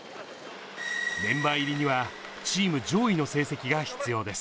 メンバー入りには、チーム上位の成績が必要です。